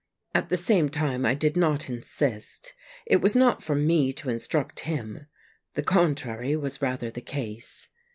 At the same time I did not insist ; it was not for me to instruct him, the contrary was rather the case.